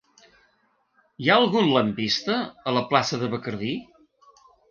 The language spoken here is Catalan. Hi ha algun lampista a la plaça de Bacardí?